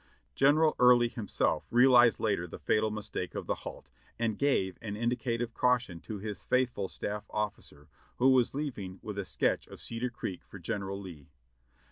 General Early himself realized later the fatal mistake of the halt, and gave an indicative caution to his faithful staff officer, who was leaving with a sketch of Cedar Creek for General Lee.